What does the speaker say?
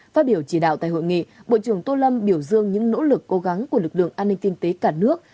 phát biểu chỉ đạo tại hội nghị bộ trưởng tô lâm biểu dương những nỗ lực cố gắng của lực lượng an ninh kinh tế cả nước